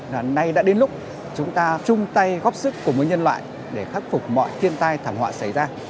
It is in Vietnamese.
là nay đã đến lúc chúng ta chung tay góp sức cùng với nhân loại để khắc phục mọi thiên tai thảm họa xảy ra